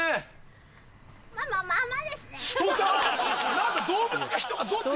何か動物か人かどっち。